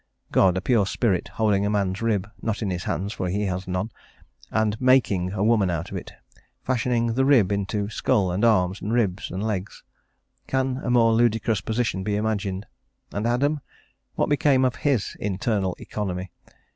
God, a pure spirit, holding a man's rib, not in his hands, for he has none, and "making" a woman out of it, fashioning the rib into skull, and arms, and ribs, and legs. Can a more ludicrous position be imagined; and Adam? What became of his internal economy?